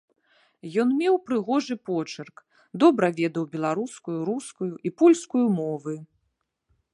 Ён меў прыгожы почырк, добра ведаў беларускую, рускую і польскую мовы.